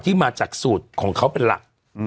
มาจากสูตรของเขาเป็นหลัก